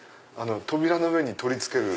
扉の上に取り付ける。